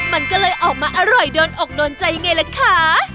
มันก็เลยออกมาอร่อยโดนอกโดนใจยังไงล่ะคะ